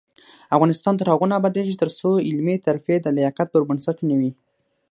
افغانستان تر هغو نه ابادیږي، ترڅو علمي ترفیع د لیاقت پر بنسټ نه وي.